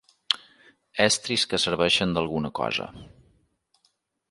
Estris que serveixen d'alguna cosa.